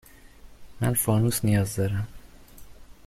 من فانوس نیاز دارم.